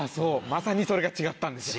まさにそれが違ったんですよ。